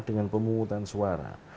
dengan pemungutan suara